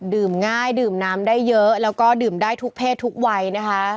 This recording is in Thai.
ง่ายดื่มน้ำได้เยอะแล้วก็ดื่มได้ทุกเพศทุกวัยนะคะ